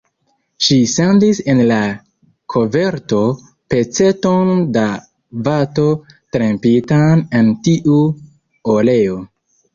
Ŝi sendis en la koverto peceton da vato trempitan en tiu oleo.